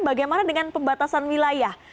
bagaimana dengan pembatasan wilayah